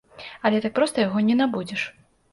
Але так проста яго не набудзеш.